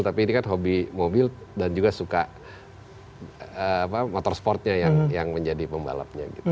tapi ini kan hobi mobil dan juga suka motor sportnya yang menjadi pembalapnya